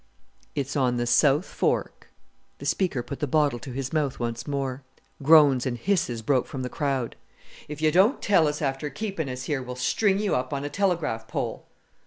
"It's on the south fork." The speaker put the bottle to his mouth once more. Groans and hisses broke from the crowd. "If you don't tell us after keeping us here we'll string you up on a telegraph pole."